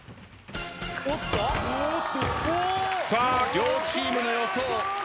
さあ両チームの予想。